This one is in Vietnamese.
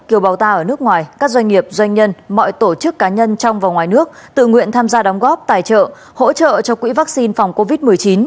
kiều bào ta ở nước ngoài các doanh nghiệp doanh nhân mọi tổ chức cá nhân trong và ngoài nước tự nguyện tham gia đóng góp tài trợ hỗ trợ cho quỹ vaccine phòng covid một mươi chín